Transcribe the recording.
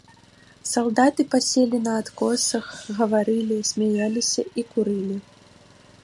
Салдаты паселі на адкосах, гаварылі, смяяліся і курылі.